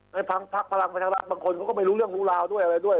และพักพลังรักบางขนเขาก็ไม่รู้เรื่องรูราวด้วย